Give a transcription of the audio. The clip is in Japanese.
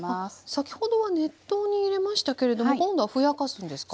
先ほどは熱湯に入れましたけれども今度はふやかすんですか？